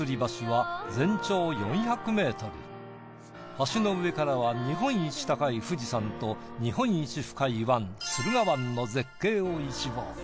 橋の上からは日本一高い富士山と日本一深い湾駿河湾の絶景を一望。